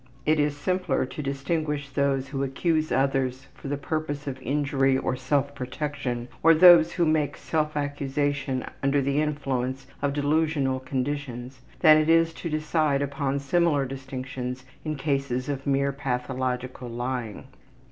It is simpler to distinguish those who accuse others for the purpose of injury or self protection, or those who make self accusation under the influence of delusional conditions, than it is to decide upon similar distinctions in cases of mere pathological lying.